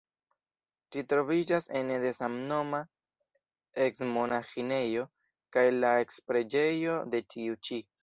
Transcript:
Ĝi troviĝas ene de samnoma eks-monaĥinejo kaj en la eks-preĝejo de tiu ĉi.